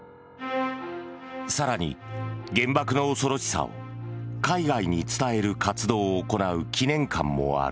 更に、原爆の恐ろしさを海外に伝える活動を行う祈念館もある。